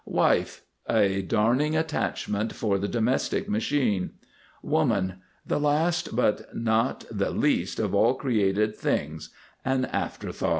WIFE. A darning attachment for the domestic machine. WOMAN. The last but not the least of all created things, an afterthought.